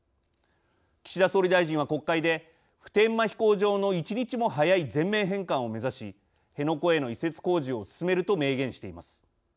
岸田総理大臣は国会で「普天間飛行場の１日も早い全面返還を目指し辺野古への移設工事を進める」と明言しています。